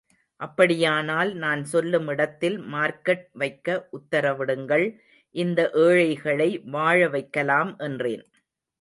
அப்படியானால் நான் சொல்லும் இடத்தில் மார்க்கெட் வைக்க உத்தரவிடுங்கள், இந்த ஏழைகளை வாழ வைக்கலாம் என்றேன்.